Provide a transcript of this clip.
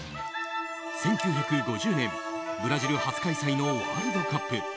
１９５０年、ブラジル初開催のワールドカップ。